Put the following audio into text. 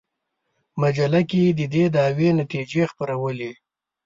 مجله کې د دې دعوې نتیجې خپرولې.